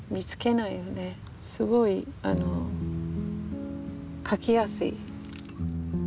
すごく描きやすい。